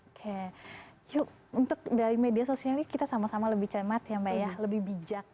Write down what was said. oke yuk untuk dari media sosial ini kita sama sama lebih cermat ya mbak ya lebih bijak